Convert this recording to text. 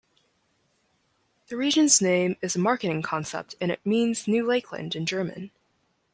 The region's name is a marketing concept and it means "New Lakeland" in German.